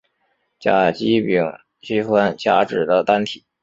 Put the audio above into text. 甲基丙烯酸甲酯的单体。